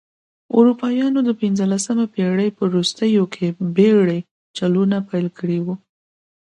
اروپایانو د پنځلسمې پېړۍ په وروستیو کې بېړۍ چلونه پیل کړې وه.